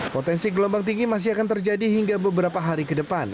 potensi gelombang tinggi masih akan terjadi hingga beberapa hari ke depan